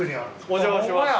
お邪魔します。